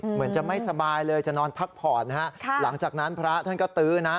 เหมือนจะไม่สบายเลยจะนอนพักผ่อนนะฮะหลังจากนั้นพระท่านก็ตื้อนะ